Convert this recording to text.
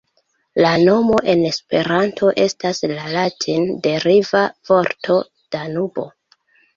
La nomo en Esperanto estas la latin-deriva vorto "Danubo".